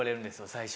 最初。